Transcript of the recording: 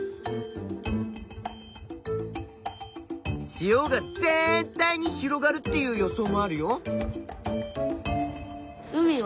塩が全体に広がるっていう予想もあるよ。